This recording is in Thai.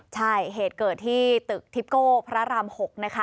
ใช่เหตุเกิดที่ตึกทิปโก้พระราม๖นะคะ